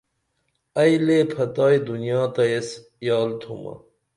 ائی لے پھتائی دنیا تہ ایس یال تھومہ